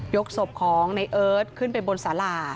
ยกศพของนายเอิ้ดขึ้นไปบนสารา